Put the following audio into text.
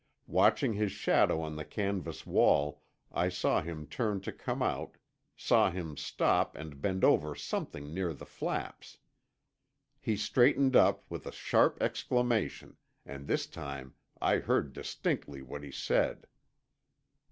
Watching his shadow on the canvas wall I saw him turn to come out, saw him stop and bend over something near the flaps. He straightened up with a sharp exclamation, and this time I heard distinctly what he said.